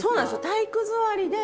体育座りで。